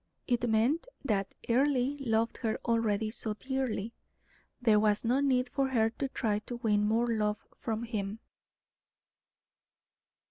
It meant that Earle loved her already so dearly, there was no need for her to try to win more love from him.